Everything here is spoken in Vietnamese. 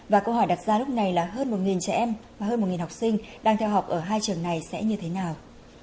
và câu hỏi đặt ra lúc này là hơn một trẻ em và hơn một học sinh đang theo học ở hai trường này sẽ như thế nào